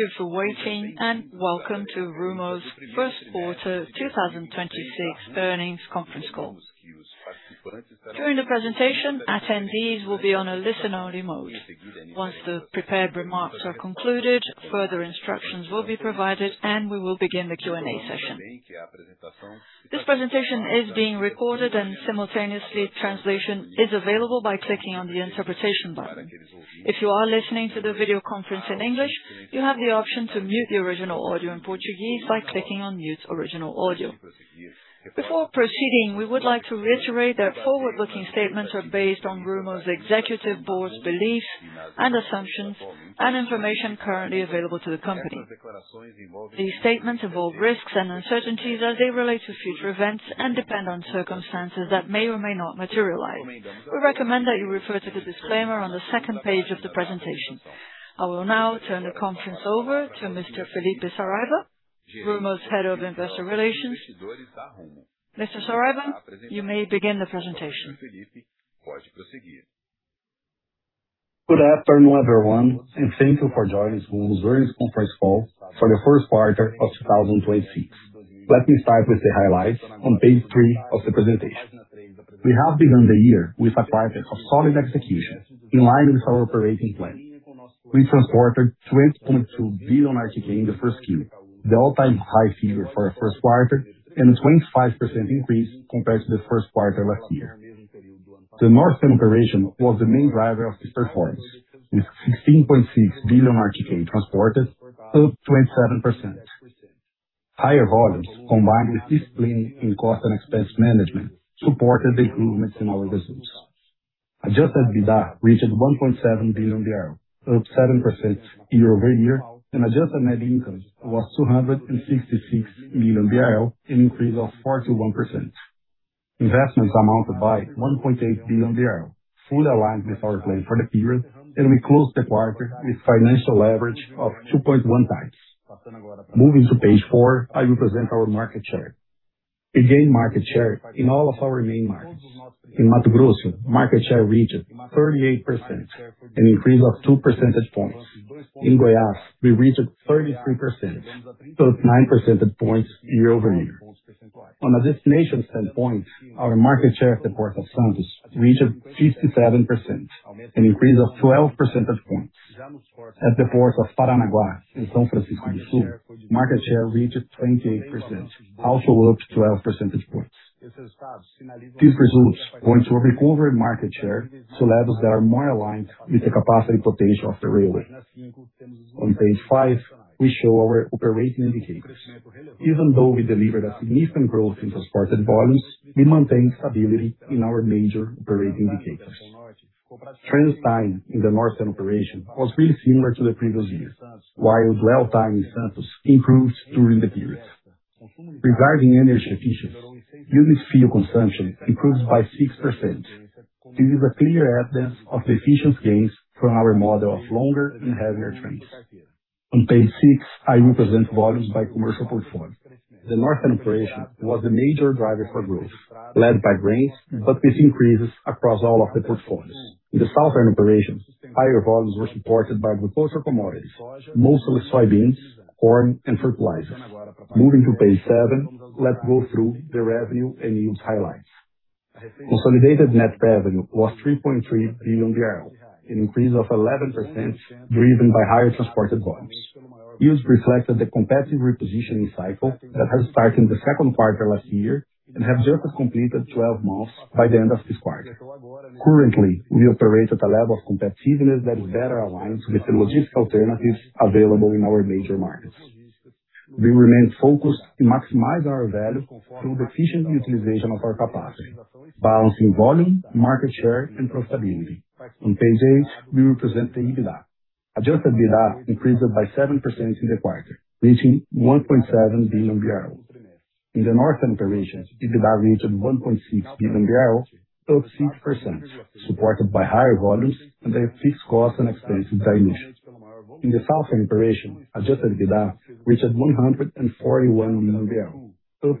Thank you for waiting, and welcome to Rumo's first quarter 2026 earnings conference call. During the presentation, attendees will be on a listen-only mode. Once the prepared remarks are concluded, further instructions will be provided and we will begin the Q&A session. This presentation is being recorded and simultaneously translation is available by clicking on the Interpretation button. If you are listening to the video conference in English, you have the option to mute the original audio in Portuguese by clicking on Mute Original Audio. Before proceeding, we would like to reiterate that forward-looking statements are based on Rumo's executive board's beliefs and assumptions and information currently available to the company. These statements involve risks and uncertainties as they relate to future events and depend on circumstances that may or may not materialize. We recommend that you refer to the disclaimer on the second page of the presentation. I will now turn the conference over to Mr. Felipe Saraiva, Rumo's Head of Investor Relations. Mr. Saraiva, you may begin the presentation. Good afternoon, everyone, thank you for joining Rumo's earnings conference call for the first quarter of 2026. Let me start with the highlights on page three of the presentation. We have begun the year with a quarter of solid execution in line with our operating plan. We transported 20.2 billion RTK in the first quarter, the all-time high figure for a first quarter and a 25% increase compared to the first quarter last year. The Northern Operations was the main driver of this performance, with 16.6 billion RTK transported, up 27%. Higher volumes combined with discipline in cost and expense management supported the improvements in our results. Adjusted EBITDA reached BRL 1.7 billion, up 7% year-over-year, and adjusted net income was BRL 266 million, an increase of 41%. Investments amounted by BRL 1.8 billion, fully aligned with our plan for the period. We closed the quarter with financial leverage of 2.1x. Moving to page four, I represent our market share. We gained market share in all of our main markets. In Mato Grosso, market share reached 38%, an increase of 2 percentage points. In Goiás, we reached 33%, up 9 percentage points year-over-year. On a destination standpoint, our market share at the Port of Santos reached 57%, an increase of 12 percentage points. At the Port of Paranaguá in São Francisco do Sul, market share reached 28%, also up 12 percentage points. These results point to a recovered market share to levels that are more aligned with the capacity potential of the railway. On page five, we show our operating indicators. Even though we delivered a significant growth in transported volumes, we maintained stability in our major operating indicators. Transit time in the Northern Operations was really similar to the previous years, while dwell time in Santos improved during the period. Regarding energy efficiency, units fuel consumption improved by 6%. This is a clear evidence of the efficiency gains from our model of longer and heavier trains. On page six, I represent volumes by commercial portfolio. The Northern Operations was the major driver for growth, led by grains, but with increases across all of the portfolios. In the Southern Operations, higher volumes were supported by agricultural commodities, mostly soybeans, corn, and fertilizers. Moving to page seven, let's go through the revenue and yields highlights. Consolidated net revenue was BRL 3.3 billion, an increase of 11%, driven by higher transported volumes. Yields reflected the competitive repositioning cycle that has started in the second quarter last year and have just completed 12 months by the end of this quarter. Currently, we operate at a level of competitiveness that is better aligned with the logistics alternatives available in our major markets. We remain focused in maximize our value through the efficient utilization of our capacity, balancing volume, market share, and profitability. On page eight, we represent the EBITDA. Adjusted EBITDA increased by 7% in the quarter, reaching 1.7 billion. In the Northern Operations, EBITDA reached 1.6 billion, up 6%, supported by higher volumes and a fixed cost and expense dilution. In the Southern Operations, adjusted EBITDA reached 141 million, up 10%,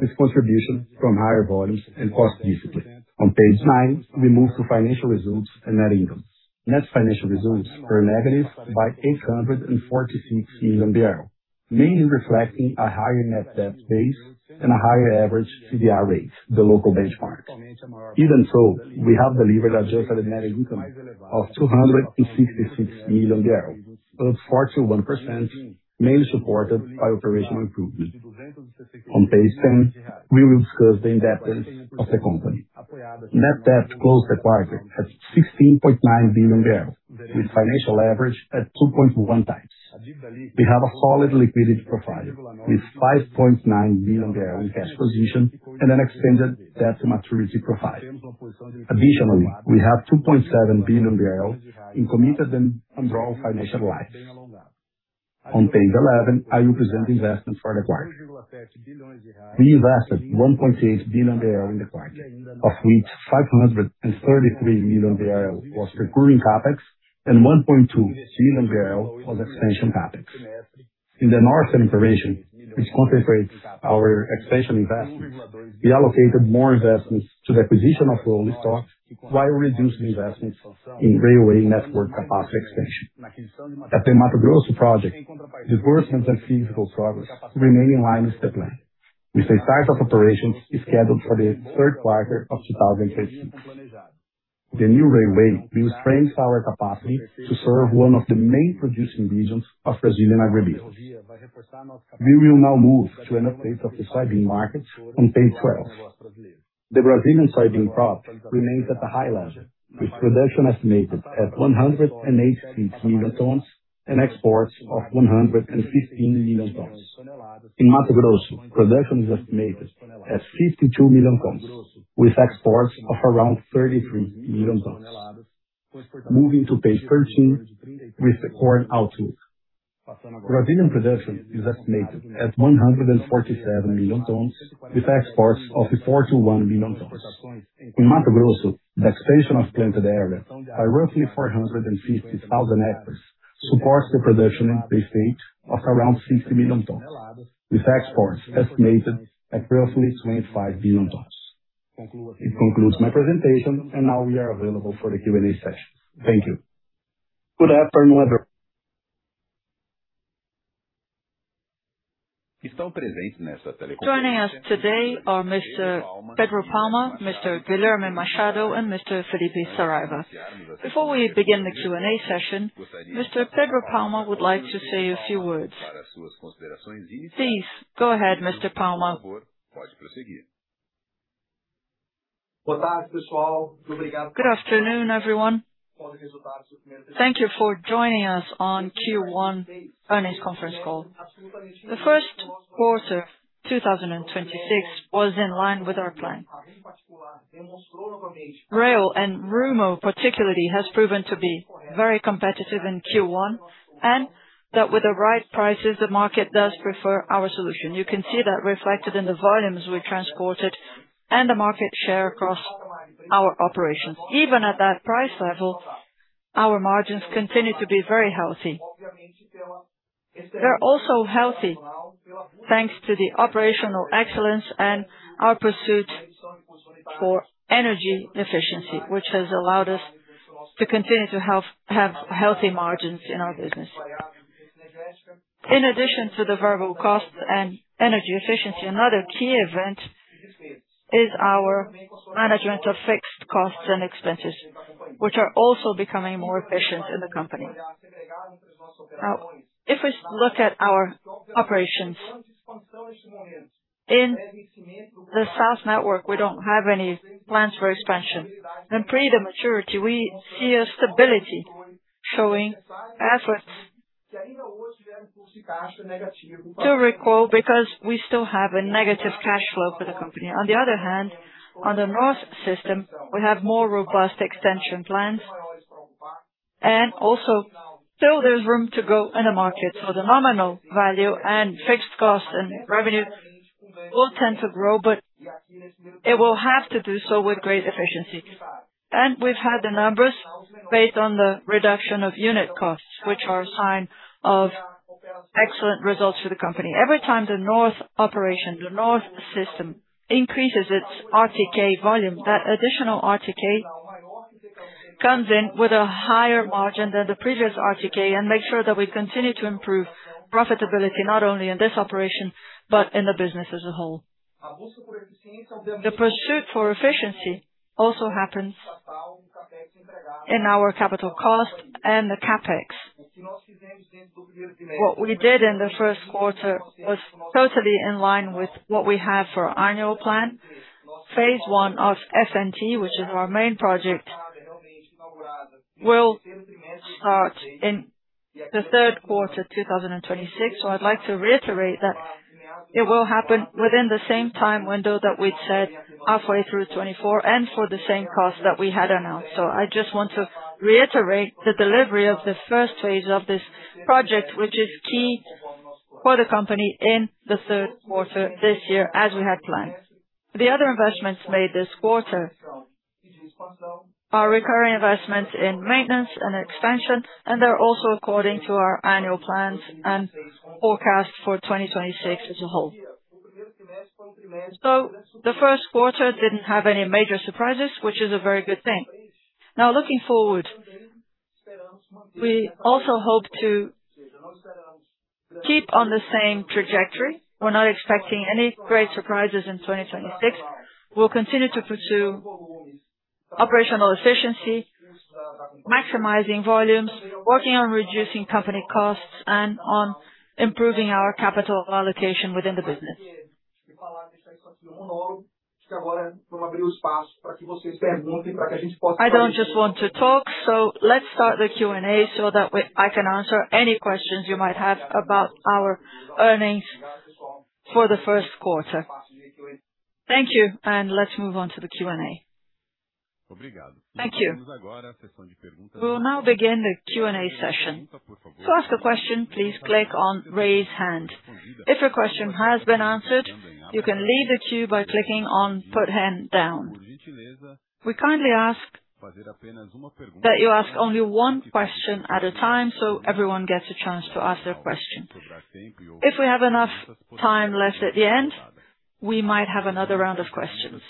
with contribution from higher volumes and cost discipline. On page nine, we move to financial results and net income. Net financial results were negative by BRL 846 million, mainly reflecting a higher net debt base and a higher average CDI rate, the local benchmark. We have delivered adjusted net income of BRL 266 million, up 41%, mainly supported by operational improvement. On page 10, we will discuss the indebtedness of the company. Net debt closed the quarter at BRL 16.9 billion, with financial leverage at 2.1x. We have a solid liquidity profile with BRL 5.9 billion in cash position and an extended debt maturity profile. We have BRL 2.7 billion in committed and undrawn financial lines. On page 11, I represent investments for the quarter. We invested BRL 1.8 billion in the quarter, of which BRL 533 million was recurring CapEx and BRL 1.2 billion was expansion CapEx. In the Northern Operations, which concentrates our expansion investments, we allocated more investments to the acquisition of rolling stock while reducing investments in railway network capacity expansion. At the Mato Grosso project, disbursements and physical progress remain in line with the plan. With the start of operations is scheduled for the third quarter of 2026. The new railway will strengthen our capacity to serve one of the main producing regions of Brazilian agribusiness. We will now move to an update of the soybean market on page 12. The Brazilian soybean crop remains at a high level, with production estimated at 108 million tons and exports of 115 million tons. In Mato Grosso, production is estimated at 52 million tons, with exports of around 33 million tons. Moving to page 13 with the corn outlook. Brazilian production is estimated at 147 million tons, with exports of 41 million tons. In Mato Grosso, the expansion of planted area by roughly 450,000 acres supports the production in the state of around 60 million tons, with exports estimated at roughly 25 million tons. It concludes my presentation. Now we are available for the Q&A session. Thank you. Good afternoon. Joining us today are Mr. Pedro Palma, Mr. Guilherme Machado, and Mr. Felipe Saraiva. Before we begin the Q&A session, Mr. Pedro Palma would like to say a few words. Please go ahead, Mr. Palma. Good afternoon, everyone. Thank you for joining us on Q1 earnings conference call. The first quarter 2026 was in line with our plan. Rail and Rumo particularly has proven to be very competitive in Q1, and that with the right prices, the market does prefer our solution. You can see that reflected in the volumes we transported and the market share across our operations. Even at that price level, our margins continue to be very healthy. They're also healthy, thanks to the operational excellence and our pursuit for energy efficiency, which has allowed us to continue to have healthy margins in our business. In addition to the variable costs and energy efficiency, another key event is our management of fixed costs and expenses, which are also becoming more efficient in the company. If we look at our operations, in the south network, we don't have any plans for expansion. In pre maturity, we see a stability showing assets. To recall, because we still have a negative cash flow for the company. On the other hand, on the Northern Operations, we have more robust extension plans. Also, still there's room to grow in the market. The nominal value and fixed costs and revenue all tend to grow, but it will have to do so with great efficiency. We've had the numbers based on the reduction of unit costs, which are a sign of excellent results for the company. Every time the Northern Operations, the Northern Operations increases its RTK volume, that additional RTK comes in with a higher margin than the previous RTK and make sure that we continue to improve profitability, not only in this operation, but in the business as a whole. The pursuit for efficiency also happens in our capital cost and the CapEx. What we did in the first quarter was totally in line with what we have for our annual plan. Phase I of S&T, which is our main project, will start in the third quarter 2026. I'd like to reiterate that it will happen within the same time window that we'd set halfway through 2024 and for the same cost that we had announced. I just want to reiterate the delivery of the first phase of this project, which is key for the company in the third quarter this year, as we had planned. The other investments made this quarter are recurring investments in maintenance and expansion, and they're also according to our annual plans and forecasts for 2026 as a whole. The first quarter didn't have any major surprises, which is a very good thing. Looking forward, we also hope to keep on the same trajectory. We're not expecting any great surprises in 2026. We'll continue to pursue operational efficiency, maximizing volumes, working on reducing company costs, and on improving our capital allocation within the business. I don't just want to talk, let's start the Q&A so that I can answer any questions you might have about our earnings for the first quarter. Thank you. Let's move on to the Q&A. Thank you. We will now begin the Q&A session. To ask a question, please click on Raise Hand. If your question has been answered, you can leave the queue by clicking on Put Hand Down. We kindly ask that you ask only one question at a time, so everyone gets a chance to ask their question. If we have enough time left at the end, we might have another round of questions.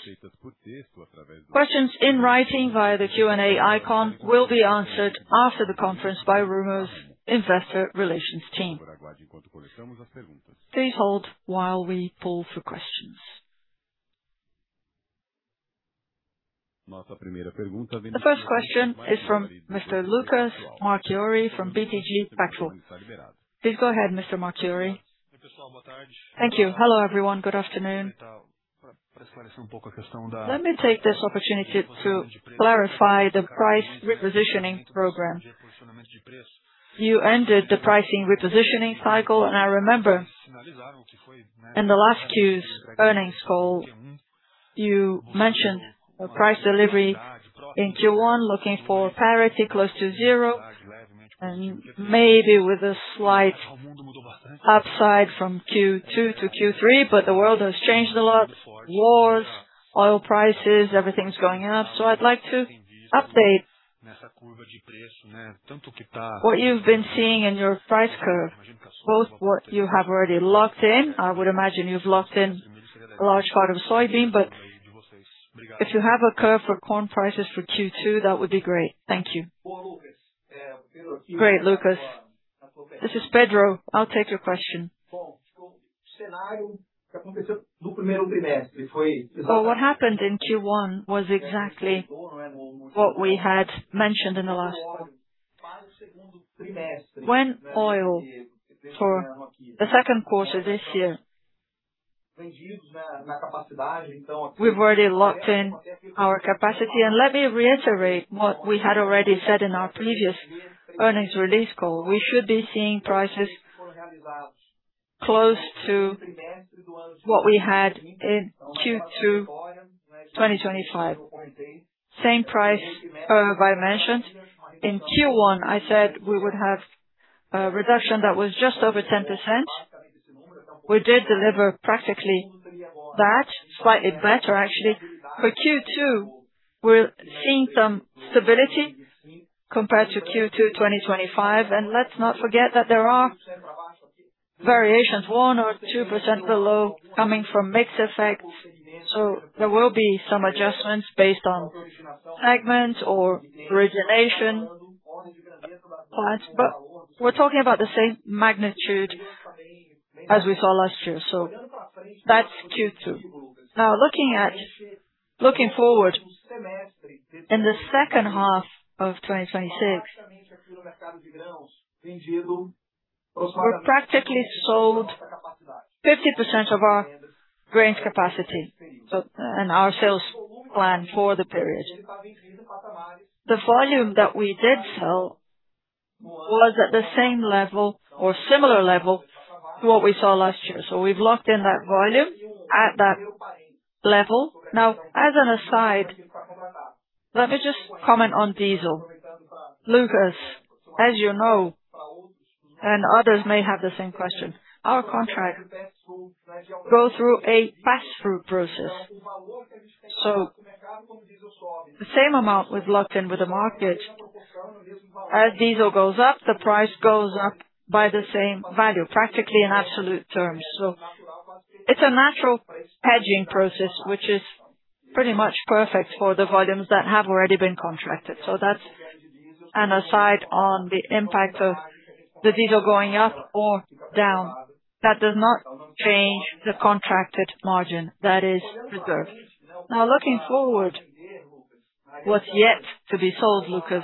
Questions in writing via the Q&A icon will be answered after the conference by Rumo's Investor Relations team. Stay hold while we pull for questions. The first question is from Mr. Lucas Marquiori from BTG Pactual. Please go ahead, Mr. Marquiori. Thank you. Hello, everyone. Good afternoon. Let me take this opportunity to clarify the price repositioning program. You ended the pricing repositioning cycle. I remember in the last Q's earnings call, you mentioned a price delivery in Q1 looking for parity close to zero, maybe with a slight upside from Q2 to Q3. The world has changed a lot. Wars, oil prices, everything's going up. I'd like to update what you've been seeing in your price curve, both what you have already locked in. I would imagine you've locked in a large part of soybean, but if you have a curve for corn prices for Q2, that would be great. Thank you. Great, Lucas. This is Pedro. I'll take your question. What happened in Q1 was exactly what we had mentioned in the last. When oil for the second quarter this year, we've already locked in our capacity. Let me reiterate what we had already said in our previous earnings release call. We should be seeing prices close to what we had in Q2 2025. Same price curve I mentioned. In Q1, I said we would have a reduction that was just over 10%. We did deliver practically that, slightly better actually. For Q2, we're seeing some stability compared to Q2 2025. Let's not forget that there are variations, 1% or 2% below coming from mix effects. There will be some adjustments based on segments or origination plans. We're talking about the same magnitude as we saw last year. That's Q2. Now, looking forward, in the second half of 2026, we practically sold 50% of our grains capacity, but in our sales plan for the period. The volume that we did sell was at the same level or similar level to what we saw last year. We've locked in that volume at that level. Now, as an aside, let me just comment on diesel. Lucas, as you know, and others may have the same question, our contract go through a pass-through process. The same amount we've locked in with the market, as diesel goes up, the price goes up by the same value, practically in absolute terms. It's a natural hedging process, which is pretty much perfect for the volumes that have already been contracted. That's an aside on the impact of the diesel going up or down. That does not change the contracted margin that is reserved. Now, looking forward, what's yet to be sold, Lucas.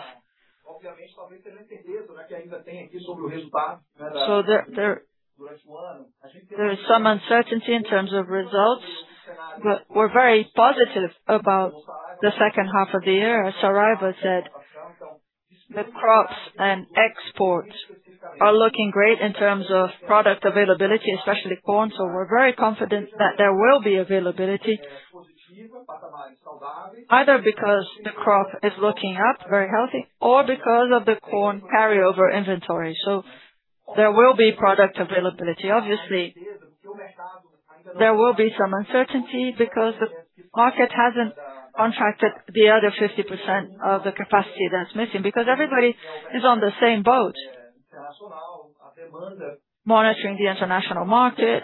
There is some uncertainty in terms of results, but we're very positive about the second half of the year. As Saraiva said, the crops and exports are looking great in terms of product availability, especially corn. We're very confident that there will be availability, either because the crop is looking up, very healthy, or because of the corn carryover inventory. There will be product availability. Obviously, there will be some uncertainty because the market hasn't contracted the other 50% of the capacity that's missing because everybody is on the same boat. Monitoring the international market,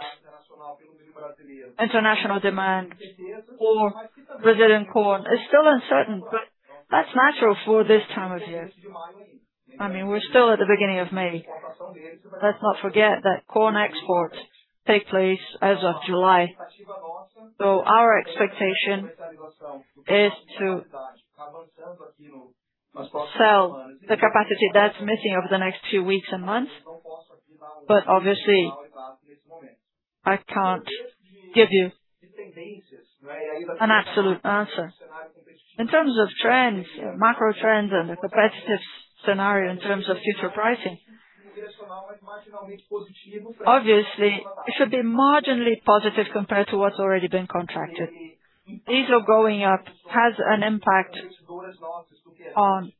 international demand for Brazilian corn is still uncertain, but that's natural for this time of year. I mean, we're still at the beginning of May. Let's not forget that corn exports take place as of July. Our expectation is to sell the capacity that's missing over the next few weeks and months. Obviously, I can't give you an absolute answer. In terms of trends, macro trends and the competitive scenario in terms of future pricing, obviously, it should be marginally positive compared to what's already been contracted. Diesel going up has an impact on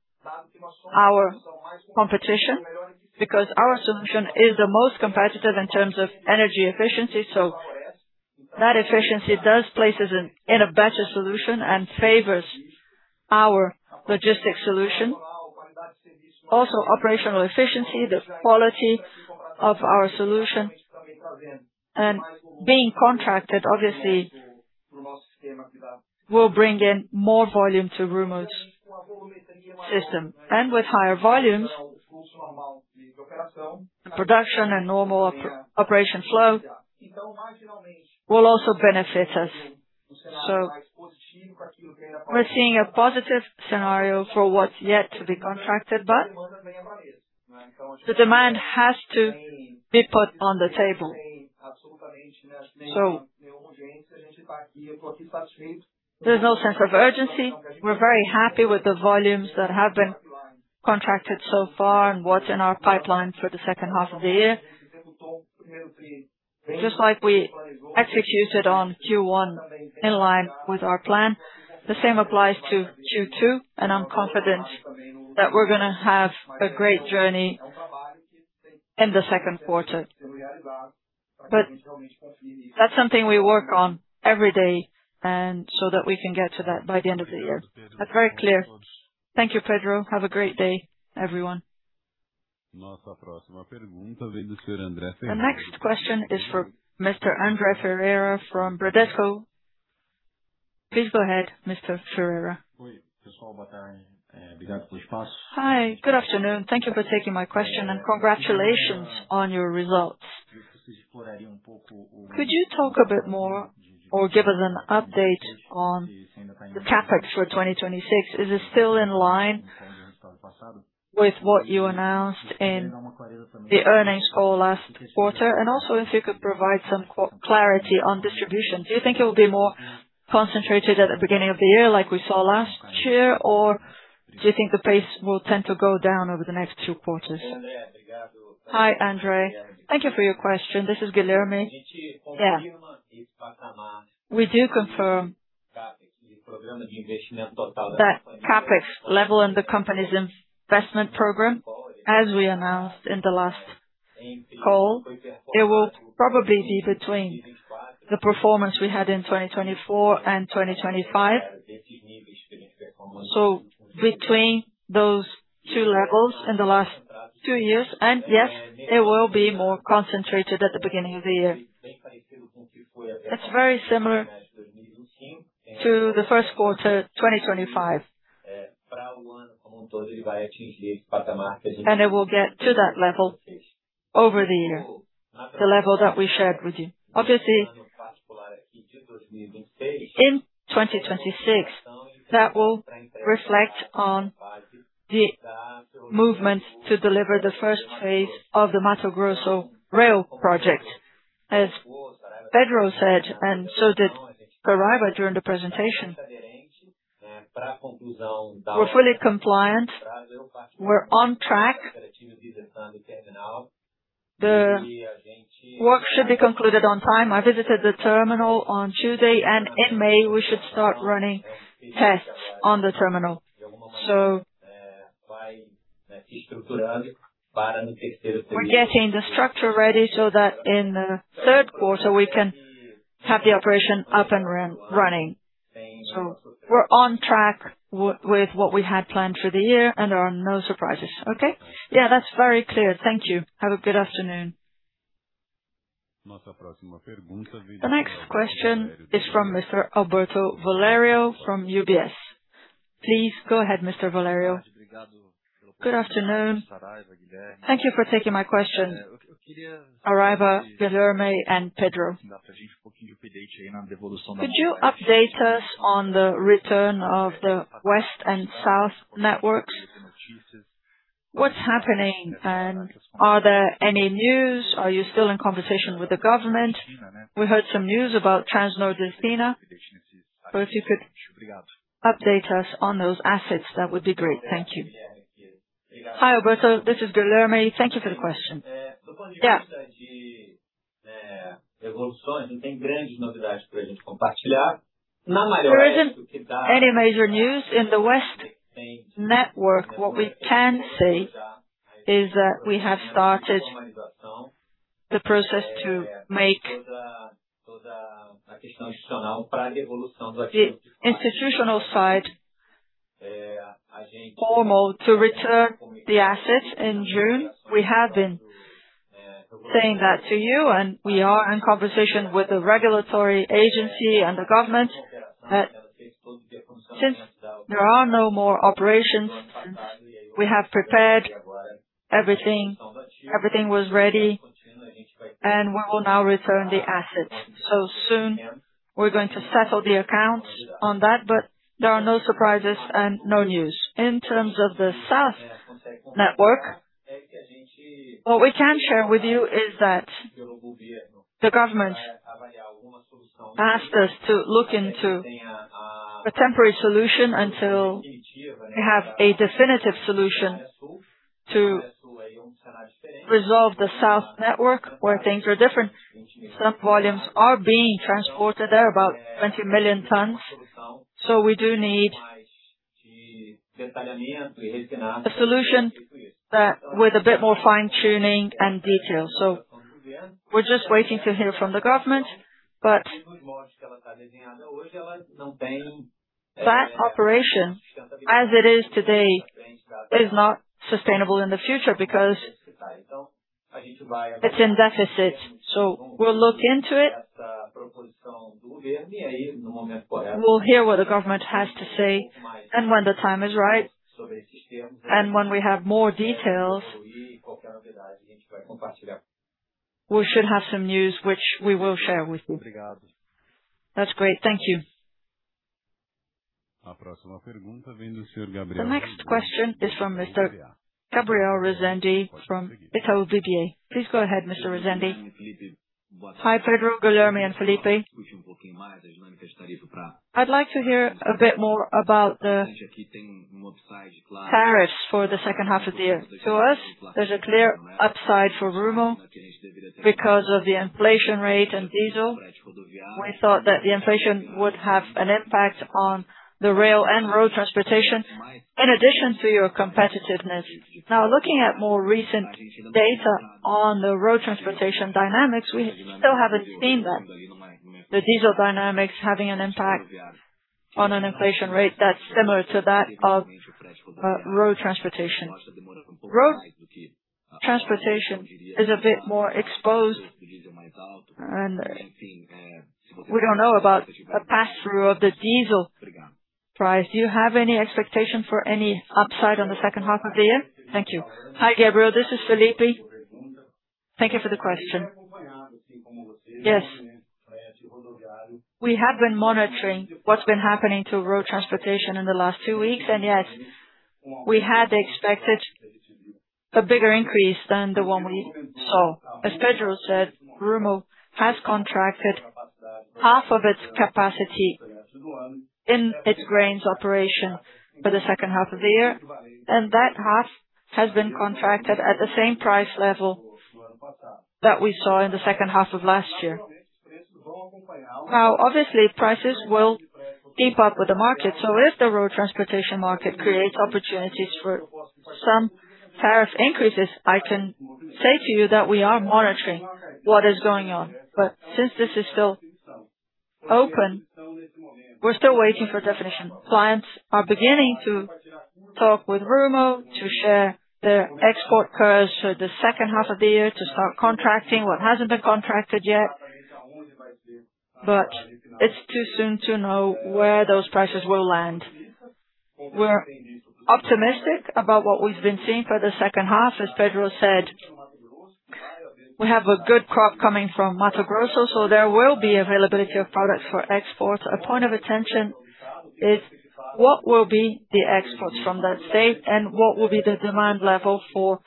our competition because our solution is the most competitive in terms of energy efficiency. That efficiency does place us in a better solution and favors our logistics solution. Also, operational efficiency, the quality of our solution and being contracted, obviously will bring in more volume to Rumo's system. With higher volumes, the production and normal operation flow will also benefit us. We're seeing a positive scenario for what's yet to be contracted, but the demand has to be put on the table. There's no sense of urgency. We're very happy with the volumes that have been contracted so far and what's in our pipeline for the second half of the year. Just like we executed on Q1 in line with our plan, the same applies to Q2, and I'm confident that we're gonna have a great journey in the second quarter. That's something we work on every day and so that we can get to that by the end of the year. That's very clear. Thank you, Pedro. Have a great day, everyone. The next question is for Mr. André Ferreira from Bradesco. Please go ahead, Mr. Ferreira. Hi, good afternoon. Thank you for taking my question, and congratulations on your results. Could you talk a bit more or give us an update on the CapEx for 2026? Is it still in line with what you announced in the earnings call last quarter? If you could provide some clarity on distribution. Do you think it will be more concentrated at the beginning of the year like we saw last year? Do you think the pace will tend to go down over the next two quarters? Hi, André. Thank you for your question. This is Guilherme. Yeah. We do confirm that CapEx level in the company's investment program, as we announced in the last call. It will probably be between the performance we had in 2024 and 2025. Between those two levels in the last two years. Yes, it will be more concentrated at the beginning of the year. It's very similar to the first quarter 2025. It will get to that level over the year, the level that we shared with you. Obviously, in 2026, that will reflect on the movement to deliver the first phase of the Mato Grosso rail project. As Pedro said, and so did Saraiva during the presentation, we're fully compliant, we're on track. The work should be concluded on time. I visited the terminal on Tuesday, and in May, we should start running tests on the terminal. We're getting the structure ready so that in the third quarter we can have the operation up and running. We're on track with what we had planned for the year, and there are no surprises. Okay. Yeah, that's very clear. Thank you. Have a good afternoon. The next question is from Mr. Alberto Valerio from UBS. Please go ahead, Mr. Valerio. Good afternoon. Thank you for taking my question. Saraiva, Guilherme, and Pedro. Could you update us on the return of the West and South networks? What's happening, and are there any news? Are you still in conversation with the government? We heard some news about Transnordestina. If you could update us on those assets, that would be great. Thank you. Hi, Alberto. This is Guilherme. Thank you for the question. Yeah. There isn't any major news in the West network. What we can say is that we have started the process to make the institutional side formal to return the assets in June. We have been saying that to you, and we are in conversation with the regulatory agency and the government that since there are no more operations, we have prepared everything. Everything was ready, and we will now return the assets. Soon, we're going to settle the accounts on that, but there are no surprises and no news. In terms of the South Network, what we can share with you is that the government asked us to look into a temporary solution until we have a definitive solution to resolve the South Network, where things are different. Some volumes are being transported there, about 20 million tons. We do need a solution with a bit more fine-tuning and detail. We're just waiting to hear from the government. That operation, as it is today is not sustainable in the future because it's in deficit. We'll look into it. We'll hear what the government has to say. When the time is right, and when we have more details, we should have some news which we will share with you. That's great. Thank you. The next question is from Mr. Gabriel Rezende from Itaú BBA. Please go ahead, Mr. Rezende. Hi, Pedro, Guilherme, and Felipe. I'd like to hear a bit more about the tariffs for the second half of the year. To us, there's a clear upside for Rumo because of the inflation rate and diesel. We thought that the inflation would have an impact on the rail and road transportation in addition to your competitiveness. Now, looking at more recent data on the road transportation dynamics, we still haven't seen that, the diesel dynamics having an impact on an inflation rate that's similar to that of road transportation. Road transportation is a bit more exposed, and we don't know about a pass-through of the diesel price. Do you have any expectation for any upside on the second half of the year? Thank you. Hi, Gabriel. This is Felipe. Thank you for the question. Yes. We have been monitoring what's been happening to road transportation in the last two weeks, yes, we had expected a bigger increase than the one we saw. As Pedro said, Rumo has contracted half of its capacity in its grains operation for the second half of the year, that half has been contracted at the same price level that we saw in the second half of last year. Obviously, prices will keep up with the market. If the road transportation market creates opportunities for some tariff increases, I can say to you that we are monitoring what is going on. Since this is still open, we're still waiting for definition. Clients are beginning to talk with Rumo to share their export curves for the second half of the year to start contracting what hasn't been contracted yet. It's too soon to know where those prices will land. We're optimistic about what we've been seeing for the second half. As Pedro said, we have a good crop coming from Mato Grosso, so there will be availability of products for export. A point of attention is what will be the exports from that state and what will be the demand level for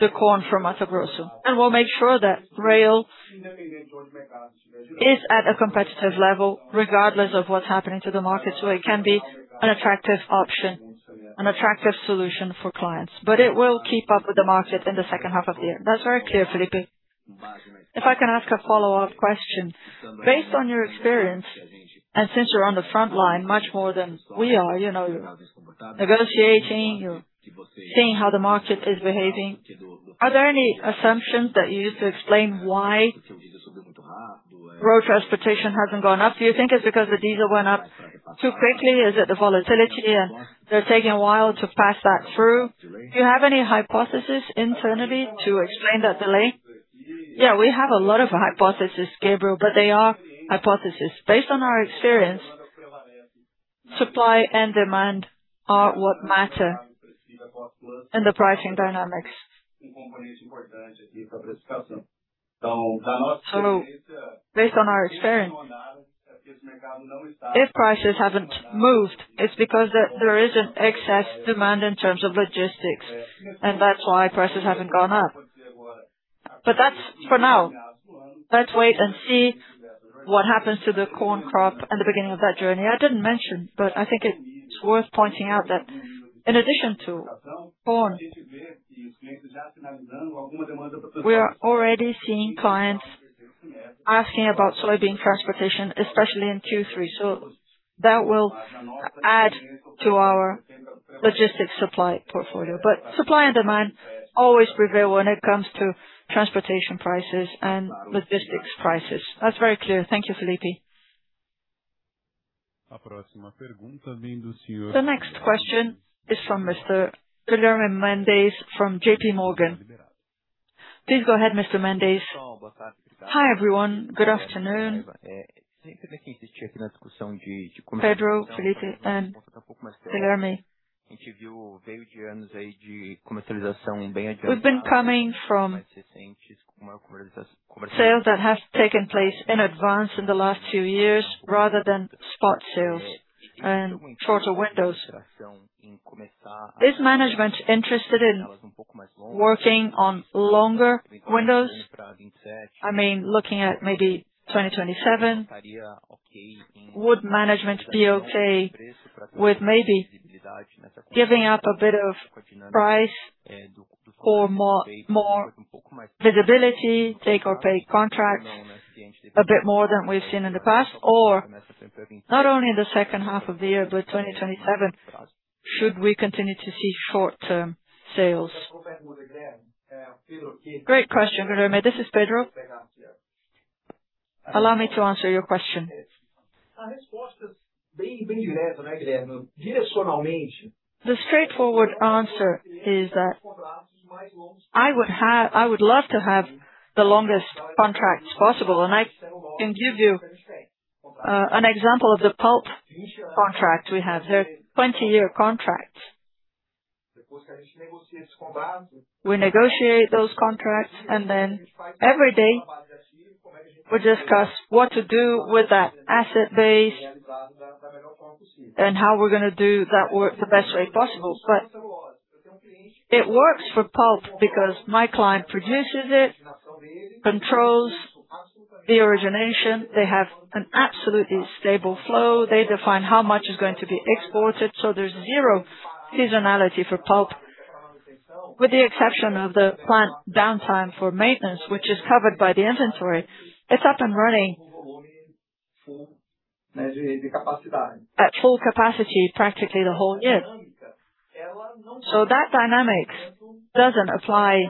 the corn from Mato Grosso. We'll make sure that rail is at a competitive level regardless of what's happening to the market, so it can be an attractive option, an attractive solution for clients. It will keep up with the market in the second half of the year. That's very clear, Felipe. If I can ask a follow-up question. Based on your experience, and since you're on the front line much more than we are, you know, you're negotiating, you're seeing how the market is behaving, are there any assumptions that you use to explain why road transportation hasn't gone up? Do you think it's because the diesel went up too quickly? Is it the volatility, and they're taking a while to pass that through? Do you have any hypothesis internally to explain that delay? Yeah, we have a lot of hypothesis, Gabriel, but they are hypothesis. Based on our experience, supply and demand are what matter in the pricing dynamics. Based on our experience, if prices haven't moved, it's because there is an excess demand in terms of logistics, and that's why prices haven't gone up. That's for now. Let's wait and see what happens to the corn crop and the beginning of that journey. I didn't mention, but I think it's worth pointing out that in addition to corn, we are already seeing clients asking about soybean transportation, especially in Q3. That will add to our logistics supply portfolio. Supply and demand always prevail when it comes to transportation prices and logistics prices. That's very clear. Thank you, Felipe. The next question is from Mr. Guilherme Mendes from JPMorgan. Please go ahead, Mr. Mendes. Hi, everyone. Good afternoon. Pedro, Felipe, and Guilherme. We've been coming from sales that have taken place in advance in the last two years rather than spot sales and shorter windows. Is management interested in working on longer windows? I mean, looking at maybe 2027, would management be okay with maybe giving up a bit of price for more, more visibility, take or pay contracts a bit more than we've seen in the past? Not only in the second half of the year, but 2027, should we continue to see short-term sales? Great question, Guilherme. This is Pedro. Allow me to answer your question. The straightforward answer is that I would love to have the longest contracts possible, and I can give you an example of the pulp contract we have. They're 20-year contracts. We negotiate those contracts, and then every day we discuss what to do with that asset base and how we're gonna do that work the best way possible. It works for pulp because my client produces it, controls the origination. They have an absolutely stable flow. They define how much is going to be exported, so there's zero seasonality for pulp. With the exception of the plant downtime for maintenance, which is covered by the inventory, it's up and running at full capacity practically the whole year. That dynamic doesn't apply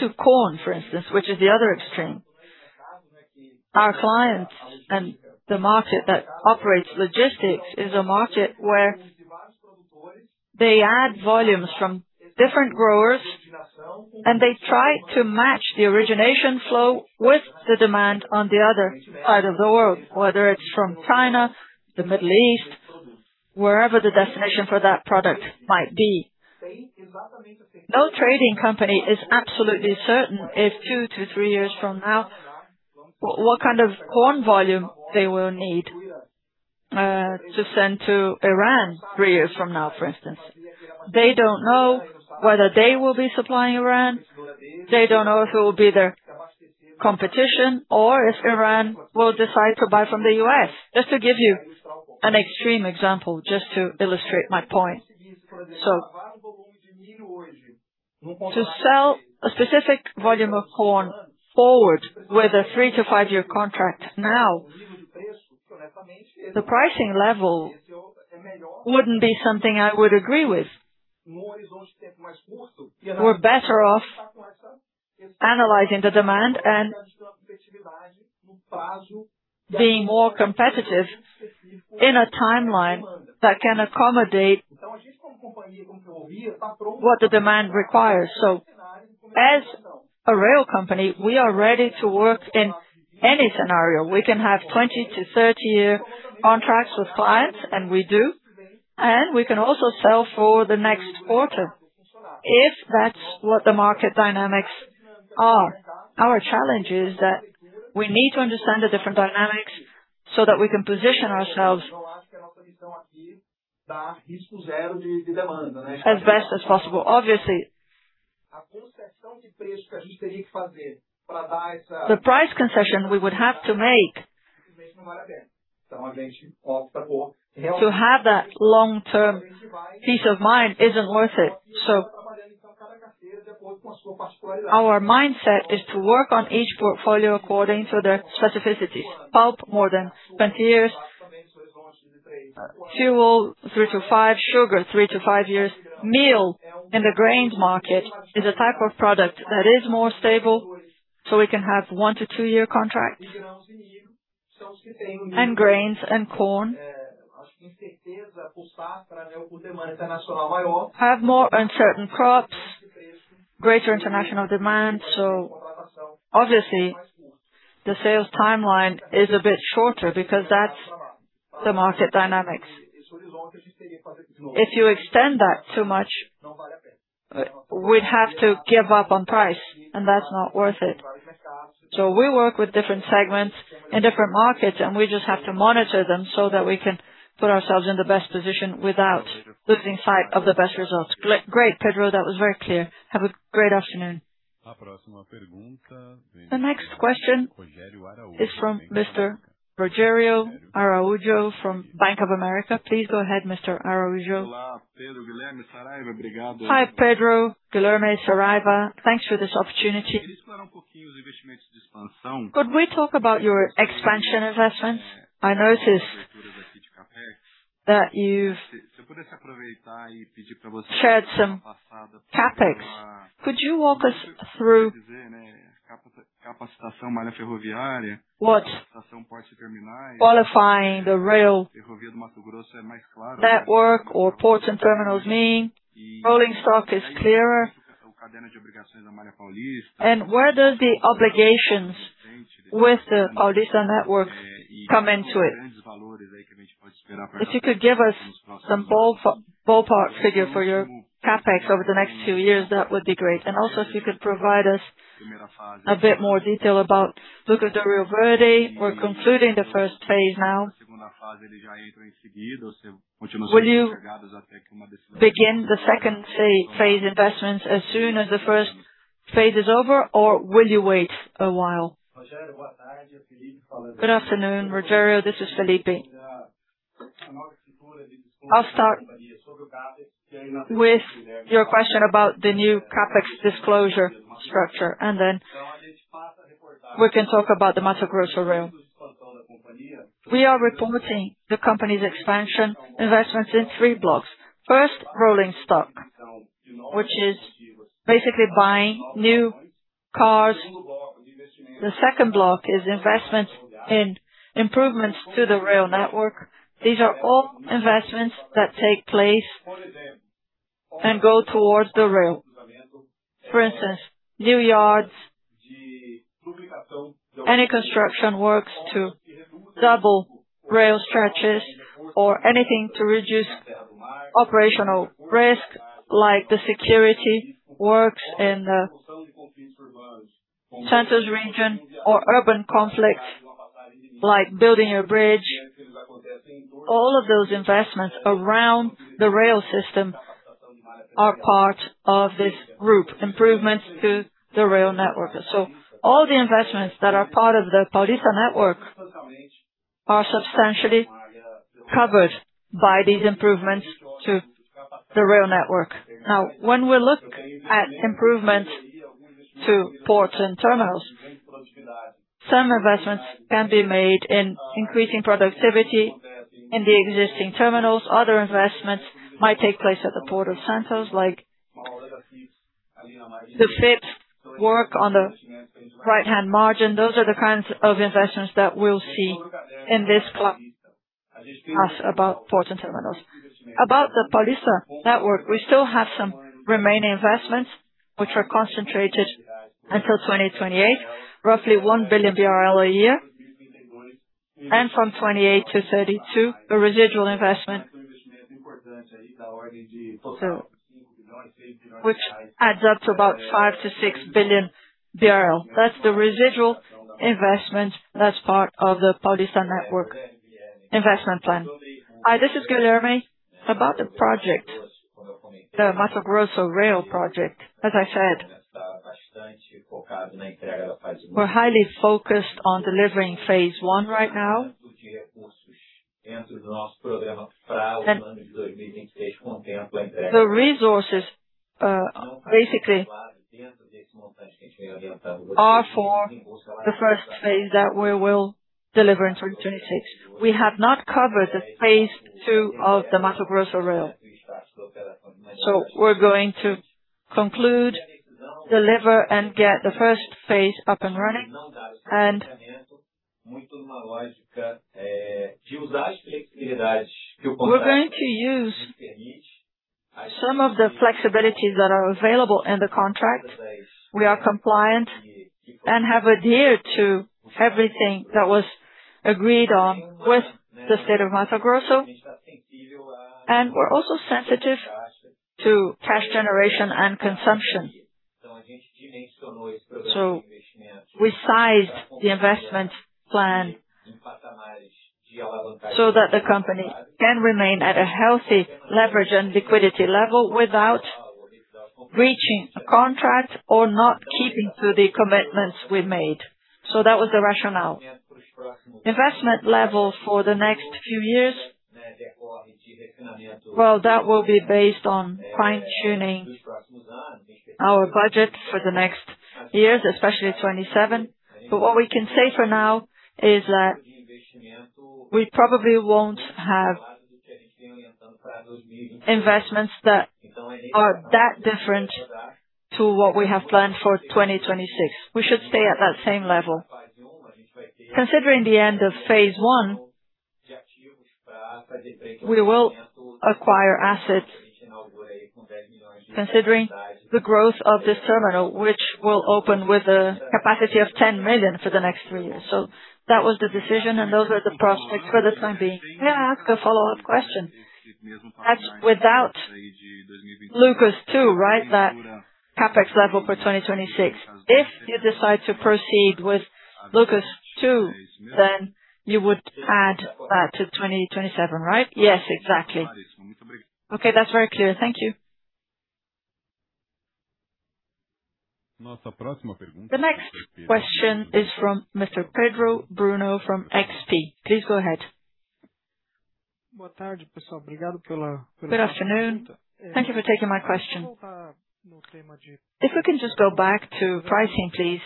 to corn, for instance, which is the other extreme. Our clients and the market that operates logistics is a market where they add volumes from different growers, and they try to match the origination flow with the demand on the other side of the world, whether it's from China, the Middle East, wherever the destination for that product might be. No trading company is absolutely certain if two to three years from now, what kind of corn volume they will need to send to Iran three years from now, for instance. They don't know whether they will be supplying Iran. They don't know if it will be their competition or if Iran will decide to buy from the U.S. Just to give you an extreme example, just to illustrate my point. To sell a specific volume of corn forward with a three to five-year contract now, the pricing level wouldn't be something I would agree with. We're better off analyzing the demand and being more competitive in a timeline that can accommodate what the demand requires. As a rail company, we are ready to work in any scenario. We can have 20-30-year contracts with clients, and we do, and we can also sell for the next quarter if that's what the market dynamics are. Our challenge is we need to understand the different dynamics so that we can position ourselves as best as possible. Obviously, the price concession we would have to make to have that long-term peace of mind isn't worth it. Our mindset is to work on each portfolio according to their specificities. Pulp, more than 20 years. Fuel, three to five. Sugar, three to five years. Meal in the grains market is a type of product that is more stable, so we can have one to two-year contracts. Grains and corn have more uncertain crops, greater international demand. Obviously, the sales timeline is a bit shorter because that's the market dynamics. If you extend that too much, we'd have to give up on price, and that's not worth it. We work with different segments in different markets, and we just have to monitor them so that we can put ourselves in the best position without losing sight of the best results. Great, Pedro. That was very clear. Have a great afternoon. The next question is from Mr. Rogério Araújo from Bank of America. Please go ahead, Mr. Araújo. Hi, Pedro, Guilherme, Saraiva. Thanks for this opportunity. Could we talk about your expansion assessments? I noticed that you've shared some CapEx. Could you walk us through what qualifying the rail network or ports and terminals mean? Rolling stock is clearer. Where does the obligations with the FNS network come into it? If you could give us some ballpark figure for your CapEx over the next two years, that would be great. Also, if you could provide us a bit more detail about Lucas do Rio Verde. We're concluding the first phase now. Will you begin the second phase investments as soon as the first phase is over, or will you wait a while? Good afternoon, Rogério. This is Felipe. I'll start with your question about the new CapEx disclosure structure, and then we can talk about the Mato Grosso rail. We are reporting the company's expansion investments in three blocks. First, rolling stock. Which is basically buying new cars. The second block is investments in improvements to the rail network. These are all investments that take place and go towards the rail. For instance, new yards, any construction works to double rail stretches or anything to reduce operational risk, like the security works in the Santos region or urban conflicts like building a bridge. All of those investments around the rail system are part of this group, improvements to the rail network. All the investments that are part of the Paulista Network are substantially covered by these improvements to the rail network. Now, when we look at improvements to ports and terminals, some investments can be made in increasing productivity in the existing terminals. Other investments might take place at the Port of Santos, like the fixed work on the right bank margin. Those are the kinds of investments that we'll see in this class, as about ports and terminals. About the Paulista Network, we still have some remaining investments which are concentrated until 2028, roughly 1 billion BRL a year. From 2028-2032, the residual investment. Which adds up to about 5 billion-6 billion. That's the residual investment that's part of the Paulista Network investment plan. Hi, this is Guilherme. About the project, the Mato Grosso rail project, as I said, we're highly focused on delivering phase I right now. The resources, basically are for the first phase that we will deliver in 2026. We have not covered the phase II of the Mato Grosso rail. We're going to conclude, deliver, and get the first phase up and running. We're going to use some of the flexibilities that are available in the contract. We are compliant and have adhered to everything that was agreed on with the state of Mato Grosso, and we're also sensitive to cash generation and consumption. We sized the investment plan so that the company can remain at a healthy leverage and liquidity level without breaching a contract or not keeping to the commitments we made. That was the rationale. Investment levels for the next few years. Well, that will be based on fine-tuning our budget for the next years, especially 2027. What we can say for now is that we probably won't have investments that are that different to what we have planned for 2026. We should stay at that same level. Considering the end of phase I, we will acquire assets considering the growth of this terminal, which will open with a capacity of 10 million for the next three years. That was the decision, and those are the prospects for the time being. May I ask a follow-up question? Yes. That's without Lucas 2, right? That CapEx level for 2026. If you decide to proceed with Lucas 2, then you would add that to 2027, right? Yes, exactly. Okay. That's very clear. Thank you. The next question is from Mr. Pedro Bruno from XP. Please go ahead. Good afternoon. Thank you for taking my question. If we can just go back to pricing, please.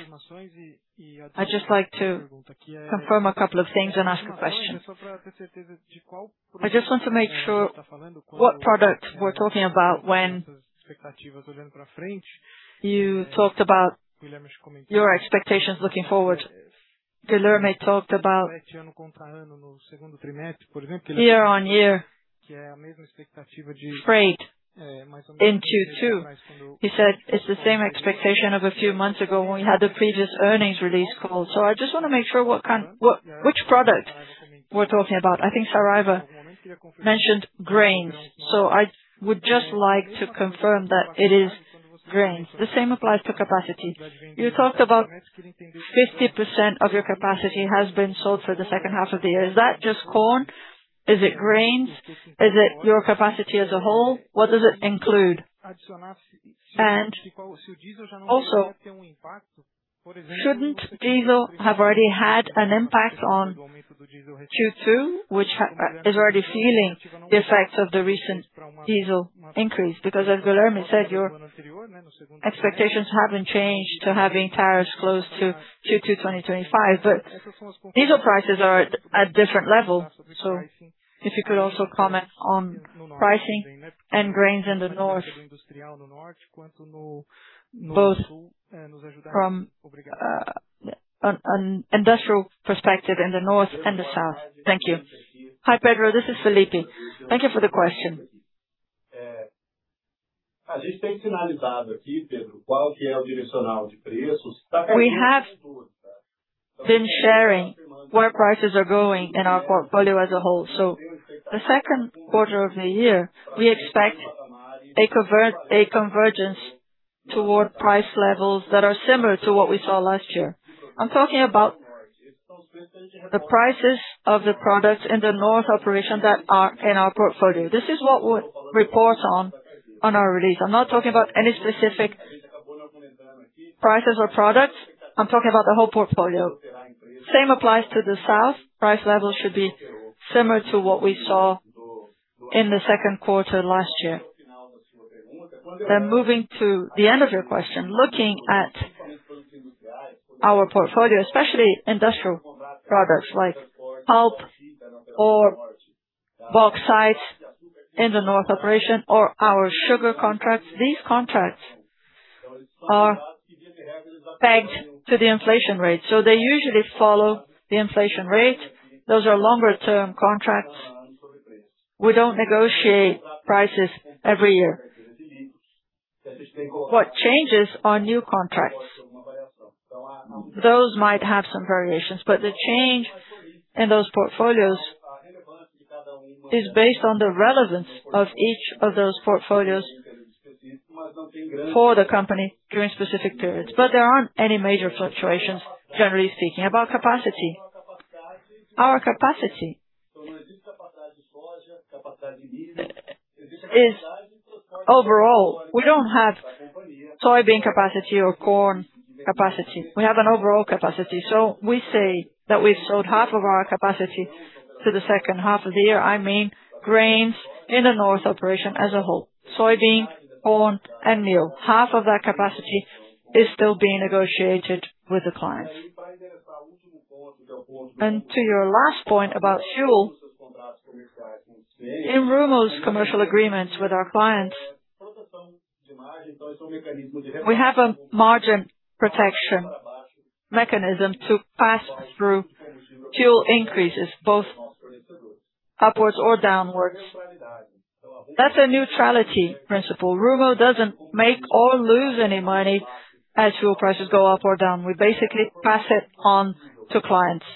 I'd just like to confirm a couple of things and ask a question. I just want to make sure what product we're talking about when you talked about your expectations looking forward. Guilherme talked about year-on-year freight in Q2. He said it's the same expectation of a few months ago when we had the previous earnings release call. I just want to make sure which product we're talking about. I think Saraiva mentioned grains. I would just like to confirm that it is grains. The same applies to capacity. You talked about 50% of your capacity has been sold for the second half of the year. Is that just corn? Is it grains? Is it your capacity as a whole? What does it include? Shouldn't diesel have already had an impact on Q2, which is already feeling the effects of the recent diesel increase? As Guilherme said, your expectations haven't changed to having tariffs close to Q2 2025, but diesel prices are at different levels. If you could also comment on pricing and grains in the Northern Operations, both from an industrial perspective in the Northern Operations and the Southern Operations. Thank you. Hi, Pedro. This is Felipe. Thank you for the question. We have been sharing where prices are going in our portfolio as a whole. The second quarter of the year, we expect a convergence toward price levels that are similar to what we saw last year. I'm talking about the prices of the products in the Northern Operations that are in our portfolio. This is what we report on our release. I'm not talking about any specific prices or products. I'm talking about the whole portfolio. Same applies to the Southern Operations. Price levels should be similar to what we saw in the second quarter last year. Moving to the end of your question, looking at our portfolio, especially industrial products like pulp or bauxite in the Northern Operations or our sugar contracts. These contracts are pegged to the inflation rate, so they usually follow the inflation rate. Those are longer term contracts. We don't negotiate prices every year. What changes are new contracts. Those might have some variations, but the change in those portfolios is based on the relevance of each of those portfolios for the company during specific periods. There aren't any major fluctuations, generally speaking. About capacity. Our capacity is overall, we don't have soybean capacity or corn capacity. We have an overall capacity. We say that we've sold half of our capacity to the second half of the year. I mean, grains in the Northern Operations as a whole. Soybean, corn and meal. Half of that capacity is still being negotiated with the clients. To your last point about fuel. In Rumo's commercial agreements with our clients, we have a margin protection mechanism to pass through fuel increases both upwards or downwards. That's a neutrality principle. Rumo doesn't make or lose any money as fuel prices go up or down. We basically pass it on to clients.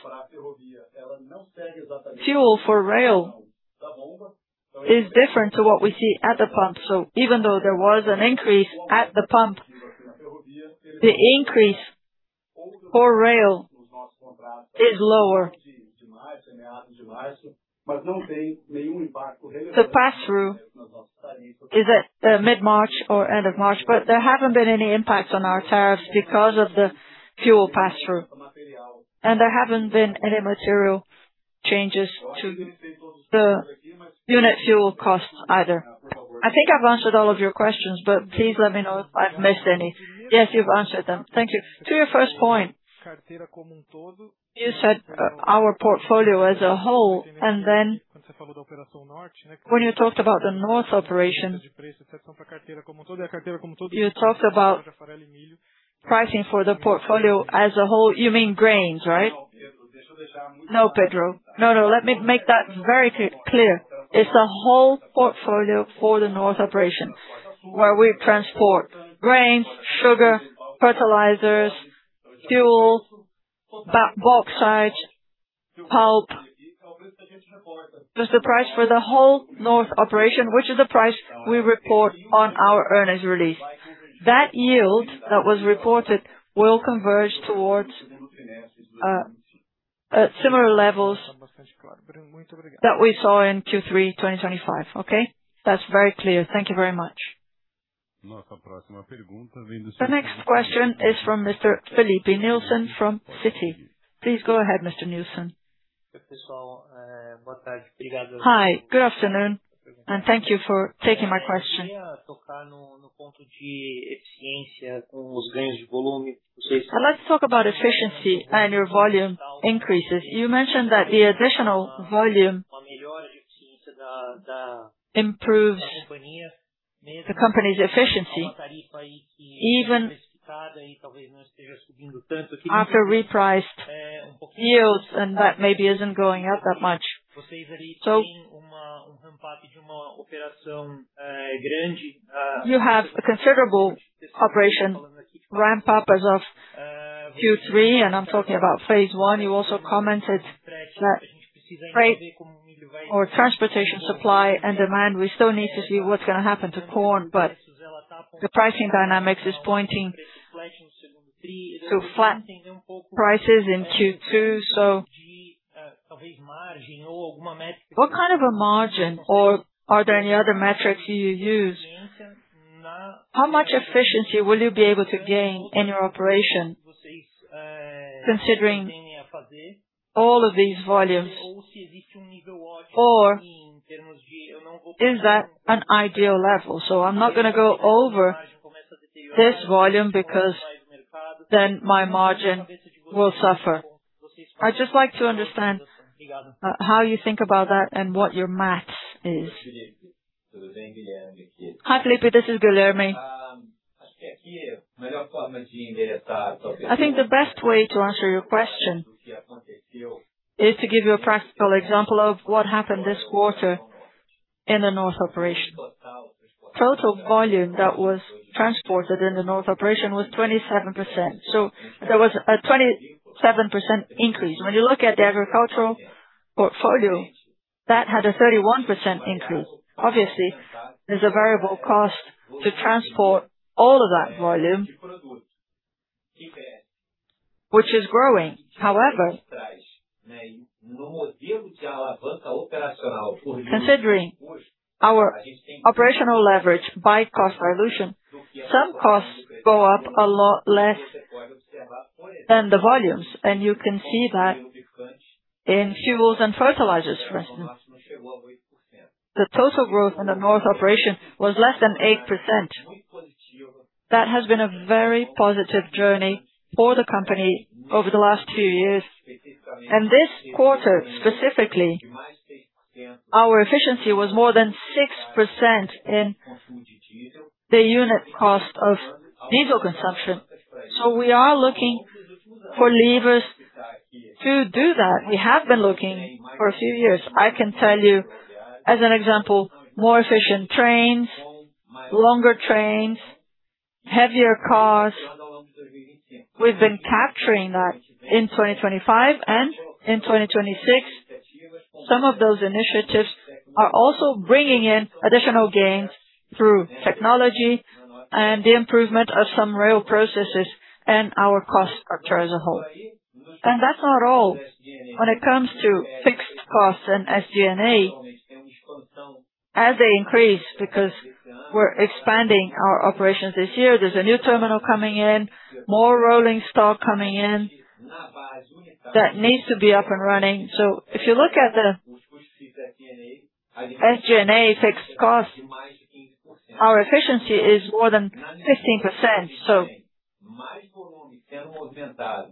Fuel for rail is different to what we see at the pump. Even though there was an increase at the pump, the increase for rail is lower. The pass-through is at mid-March or end of March, but there haven't been any impacts on our tariffs because of the fuel pass-through. There haven't been any material changes to the unit fuel costs either. I think I've answered all of your questions, but please let me know if I've missed any. Yes, you've answered them. Thank you. To your first point, you said our portfolio as a whole, and then when you talked about the Northern Operations, you talked about pricing for the portfolio as a whole. You mean grains, right? No, Pedro. No, no. Let me make that very clear. It's a whole portfolio for the Northern Operations where we transport grains, sugar, fertilizers, fuel, bauxite, pulp. Just the price for the whole Northern Operations, which is the price we report on our earnings release. That yield that was reported will converge towards similar levels that we saw in Q3 2025. Okay. That's very clear. Thank you very much. The next question is from Mr. Filipe Nielsen from Citi. Please go ahead, Mr. Nielsen. Hi. Good afternoon, and thank you for taking my question. Let's talk about efficiency and your volume increases. You mentioned that the additional volume improves the company's efficiency even after repriced yields, and that maybe isn't going up that much. You have a considerable operation ramp up as of Q3, and I'm talking about phase I. You also commented that freight or transportation supply and demand, we still need to see what's gonna happen to corn, the pricing dynamics is pointing to flat prices in Q2. What kind of a margin or are there any other metrics you use? How much efficiency will you be able to gain in your operation, considering all of these volumes? Is that an ideal level? I'm not gonna go over this volume because, then my margin will suffer. I'd just like to understand how you think about that and what your math is. Hi, Filipe. This is Guilherme. I think the best way to answer your question is to give you a practical example of what happened this quarter in the Northern Operations. Total volume that was transported in the Northern Operations was 27%, so there was a 27% increase. When you look at the agricultural portfolio, that had a 31% increase. Obviously, there's a variable cost to transport all of that volume, which is growing. However, considering our operational leverage by cost dilution, some costs go up a lot less than the volumes, and you can see that in fuels and fertilizers, for instance. The total growth in the Northern Operations was less than 8%. That has been a very positive journey for the company over the last few years. This quarter, specifically, our efficiency was more than 6% in the unit cost of diesel consumption. We are looking for levers to do that. We have been looking for a few years. I can tell you as an example, more efficient trains, longer trains, heavier cars. We've been capturing that in 2025 and in 2026. Some of those initiatives are also bringing in additional gains through technology and the improvement of some rail processes and our cost structure as a whole. That's not all. When it comes to fixed costs and SG&A, as they increase because we're expanding our operations this year, there's a new terminal coming in, more rolling stock coming in that needs to be up and running. If you look at the SG&A fixed cost, our efficiency is more than 15%.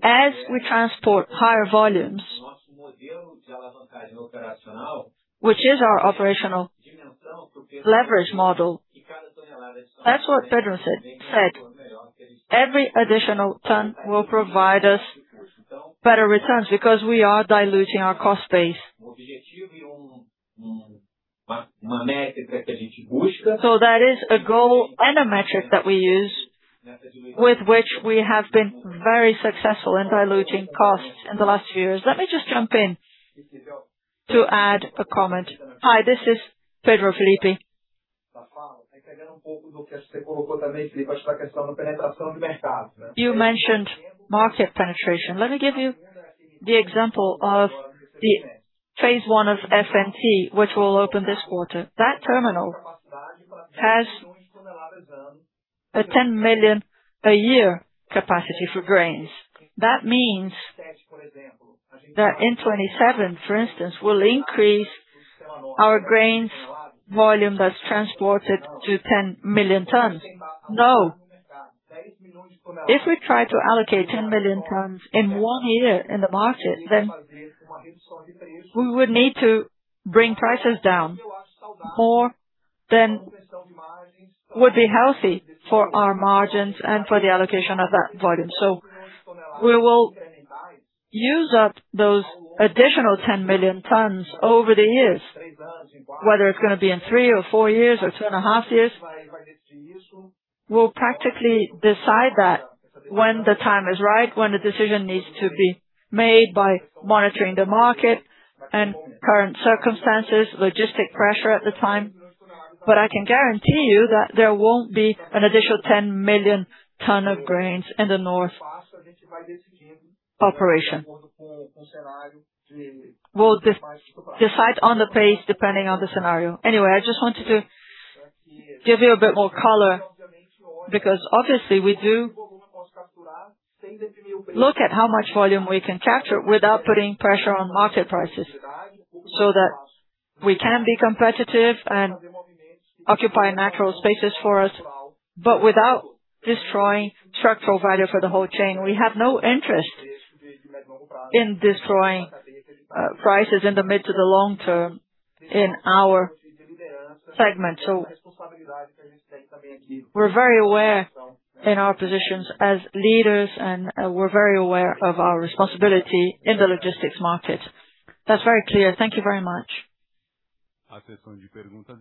As we transport higher volumes, which is our operational leverage model, that's what Pedro said, every additional ton will provide us better returns because we are diluting our cost base. That is a goal and a metric that we use, with which we have been very successful in diluting costs in the last few years. Let me just jump in to add a comment. Hi, this is Pedro, Filipe. You mentioned market penetration. Let me give you the example of the phase I of FNS, which will open this quarter. That terminal has a 10 million tons a year capacity for grains. That means that in 2027, for instance, we'll increase our grains volume that's transported to 10 million tons. If we try to allocate 10 million tons in one year in the market, then we would need to bring prices down more than would be healthy for our margins and for the allocation of that volume. We will use up those additional 10 million tons over the years, whether it's gonna be in three or four years or 2.5 Years. We'll practically decide that when the time is right, when the decision needs to be made by monitoring the market and current circumstances, logistic pressure at the time. I can guarantee you that there won't be an additional 10 million ton of grains in the Northern Operations. We'll decide on the pace depending on the scenario. Anyway, I just wanted to give you a bit more color because obviously we do look at how much volume we can capture without putting pressure on market prices so that we can be competitive and occupy natural spaces for us, but without destroying structural value for the whole chain. We have no interest in destroying prices in the mid to the long term in our segment. We're very aware in our positions as leaders, and we're very aware of our responsibility in the logistics market. That's very clear. Thank you very much. The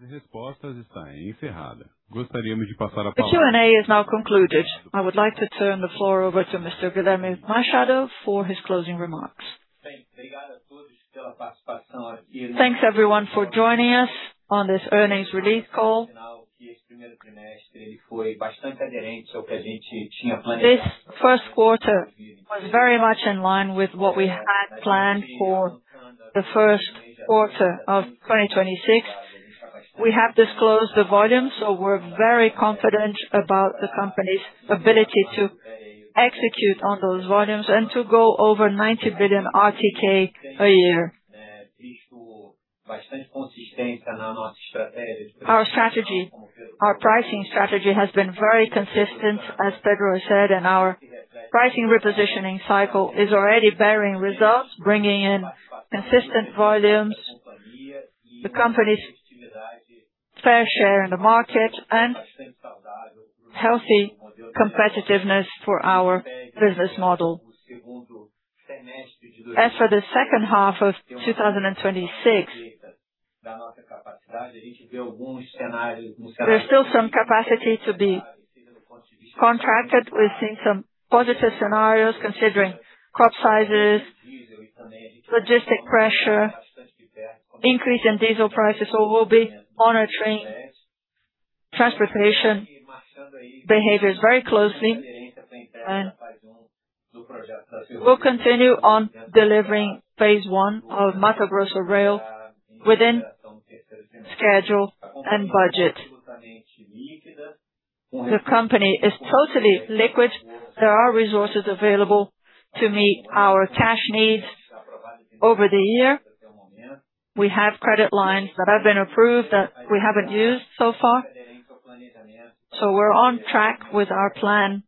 Q&A is now concluded. I would like to turn the floor over to Mr. Guilherme Machado for his closing remarks. Thanks, everyone, for joining us on this earnings release call. This first quarter was very much in line with what we had planned for the first quarter of 2026. We have disclosed the volume. We're very confident about the company's ability to execute on those volumes and to go over 90 billion RTK a year. Our pricing strategy has been very consistent, as Pedro said. Our pricing repositioning cycle is already bearing results, bringing in consistent volumes, the company's fair share in the market and healthy competitiveness for our business model. As for the second half of 2026, there's still some capacity to be contracted. We're seeing some positive scenarios considering crop sizes, logistic pressure, increase in diesel prices. We'll be monitoring transportation behaviors very closely. We'll continue on delivering phase one of Mato Grosso rail within schedule and budget. The company is totally liquid. There are resources available to meet our cash needs over the year. We have credit lines that have been approved that we haven't used so far. We're on track with our plan.